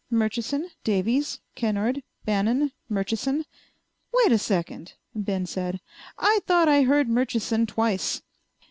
Murchison, Davies, Kennard, Bannon, Murchison. "Wait a second," Ben said. "I thought I heard Murchison twice."